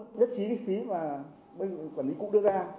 tôi nhất trí cái phí mà bây giờ quản lý cũ đưa ra